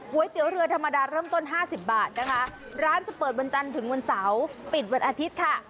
เตี๋ยวเรือธรรมดาเริ่มต้น๕๐บาทนะคะร้านจะเปิดวันจันทร์ถึงวันเสาร์ปิดวันอาทิตย์ค่ะ